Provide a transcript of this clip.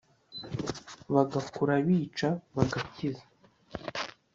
bagakura bica bagakiza